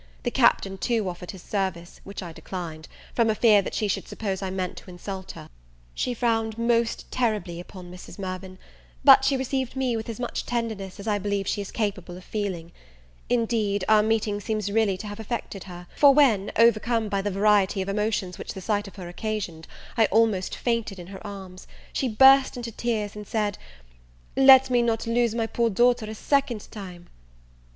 The Captain, too, offered his service; which I declined, from a fear she should suppose I meant to insult her. She frowned most terribly upon Mrs. Mirvan; but she received me with as much tenderness as I believe she is capable of feeling. Indeed, our meeting seems really to have affected her; for when, overcome by the variety of emotions which the sight of her occasioned, I almost fainted in her arms, she burst into tears, and said, "let me not lose my poor daughter a second time!"